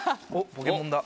『ポケモン』だ。